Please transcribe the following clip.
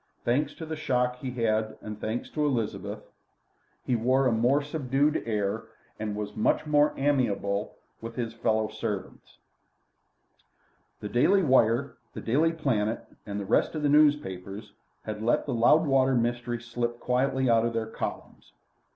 Thanks to the shock he had had and thanks to Elizabeth, he wore a more subdued air, and was much more amiable with his fellow servants. The Daily Wire, the Daily Planet, and the rest of the newspapers had let the Loudwater mystery slip quietly out of their columns.